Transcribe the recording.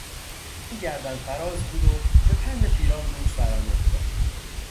او گردنفراز بود و به پند پیران گوش فرا نمیداد.